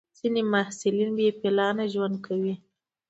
ځینې محصلین بې پلانه ژوند کوي.